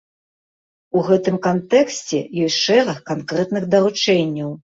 У гэтым кантэксце ёсць шэраг канкрэтных даручэнняў.